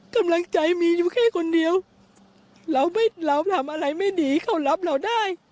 กำลังใจมีอยู่แค่คนเดียวเราไม่เราทำอะไรไม่ดีเขารับเราได้